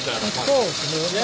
そうですね。